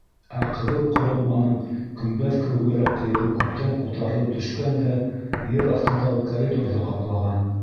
Ә ҡыҙыл ҡоролманың көмбәҙ кеүегерәк ҡыйығы күптән ҡутарылып төшкән дә ер аҫтындағы коридорҙы ҡаплаған.